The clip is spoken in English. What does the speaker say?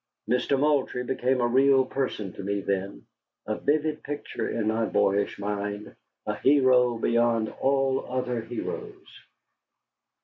Mister Moultrie became a real person to me then, a vivid picture in my boyish mind a hero beyond all other heroes.